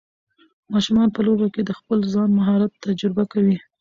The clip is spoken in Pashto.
ماشومان په لوبو کې د خپل ځان مهارت تجربه کوي.